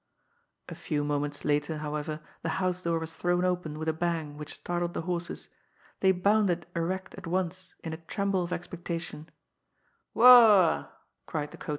A few moments later, however, the house door was thrown open with a bang which startled the horses. They bounded erect at once in a tremble of expectation. " Wo — a